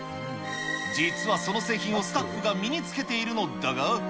実はその製品をスタッフが身につけているのだが。